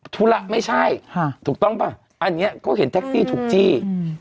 ธุระไม่ใช่ค่ะถูกต้องป่ะอันนี้เขาเห็นแท็กซี่ถูกจี้อืม